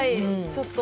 ちょっと。